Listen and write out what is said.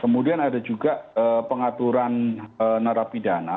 kemudian ada juga pengaturan narapidana